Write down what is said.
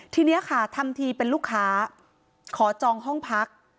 ทีนี้ค่ะทำทีเป็นลูกค้าขอจองห้องพัก